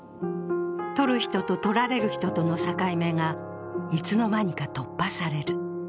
撮る人と撮られる人との境目がいつの間にか突破される。